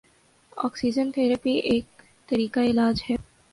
oxygen therapy ایک طریقہ علاج ہے